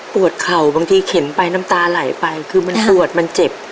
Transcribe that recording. เข่าบางทีเข็นไปน้ำตาไหลไปคือมันปวดมันเจ็บ